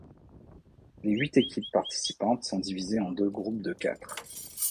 Les huit équipes participantes sont divisées en deux groupes de quatre.